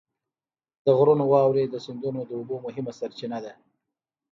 د غرونو واورې د سیندونو د اوبو مهمه سرچینه ده.